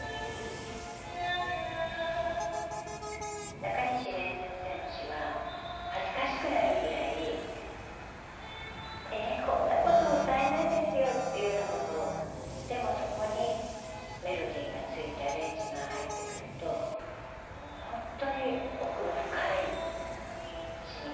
なかにし礼先生の詞は恥ずかしくなるくらいえっこんなこと歌えないですよっていうようなことをでもそこにメロディーがついてアレンジが入ってくると本当に奥の深い詞に変わっていくんですね。